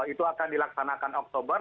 itu akan dilaksanakan oktober